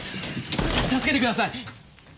助けてください！